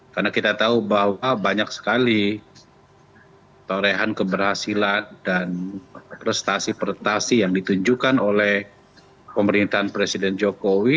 karena kita tahu bahwa banyak sekali torehan keberhasilan dan prestasi prestasi yang ditunjukkan oleh pemerintahan presiden jokowi